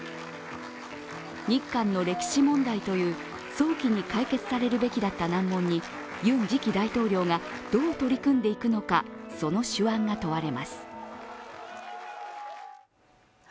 日韓の歴史問題という早期に解決されるべきだった難問にユン次期大統領がどう取り組んでいくのか、その手腕が問われます。